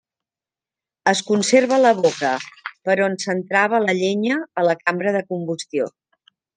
Es conserva la boca, per on s'entrava la llenya a la cambra de combustió.